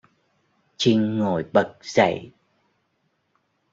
Chinh ngồi bật dậy